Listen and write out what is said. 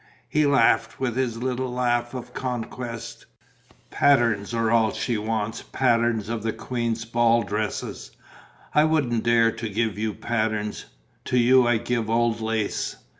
He laughed, with his little laugh of conquest: "Patterns are all she wants, patterns of the queen's ball dresses. I wouldn't dare to give you patterns. To you I give old lace."